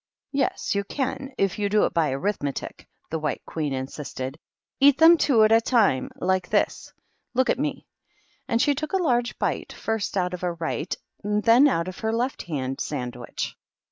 " Yes, you can, if you do it by arithmetic," the White Queen insisted. " Eat them two at a time, like this. Look at me." And she took a large bite first out of her right and then out of her left hand sandwich.